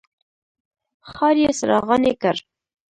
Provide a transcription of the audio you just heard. ښار یې څراغاني کړ.